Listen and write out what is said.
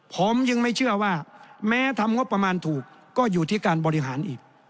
ผมจึงไม่เชื่อว่าแม้ทำงบประมาณถูกก็อยู่ที่การบริหารอีก